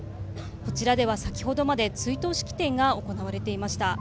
こちらでは先ほどまで追悼式典が行われていました。